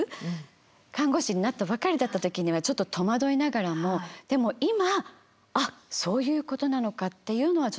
看護師になったばかりだった時にはちょっととまどいながらもでも今「あっそういうことなのか」っていうのは気付くことができました。